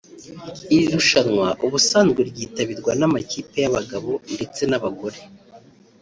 Iri rushanwa ubusanzwe ryitabirwa n’amakipe y’abagabo ndetse n’abagore